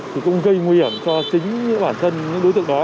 thì cũng gây nguy hiểm cho chính bản thân những đối tượng đó